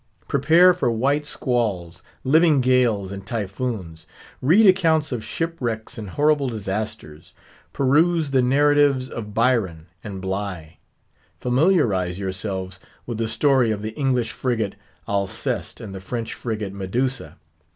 Prepare for white squalls, living gales and typhoons; read accounts of shipwrecks and horrible disasters; peruse the Narratives of Byron and Bligh; familiarise yourselves with the story of the English frigate Alceste and the French frigate Medusa.